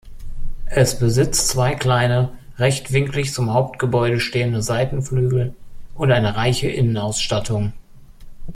Es besitzt zwei kleine, rechtwinklig zum Hauptgebäude stehende Seitenflügel und eine reiche Innenausstattung.